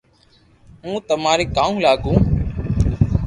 ھون تماري ڪاو لاگو